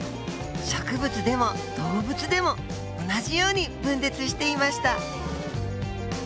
植物でも動物でも同じように分裂していました。